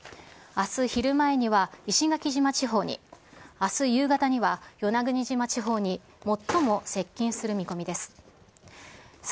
あす昼前には石垣島地方に、あす夕方には、与那国島地方に最も接近する見込みです。